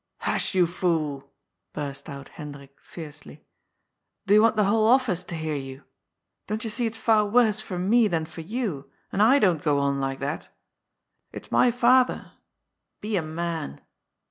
" Hush, you fool !" burst out Hendrik fiercely. " Do you want the whole oflSce to hear you ? Don't you see it's far worse for me than for you, and I don't go on like that. It's my father. Be a man.